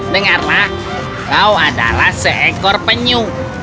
dengarlah kau adalah seekor penyu